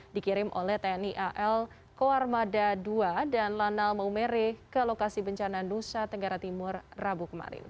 dikirim oleh tni al koarmada ii dan lanal maumere ke lokasi bencana nusa tenggara timur rabu kemarin